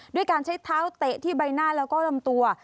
ด้วยการใช้เท้าเตะที่ใบหน้าแล้วก็ลำตัว